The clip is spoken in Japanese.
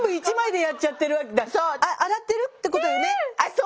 そう。